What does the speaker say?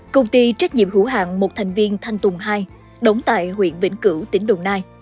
công ty trách nhiệm hữu hạng một thành viên thanh tùng hai đóng tại huyện vĩnh cửu tỉnh đồng nai